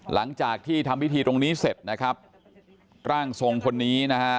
หลังจากที่ทำพิธีตรงนี้เสร็จนะครับร่างทรงคนนี้นะฮะ